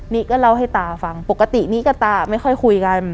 นี่ก็เล่าให้ตาฟังปกตินี้กับตาไม่ค่อยคุยกัน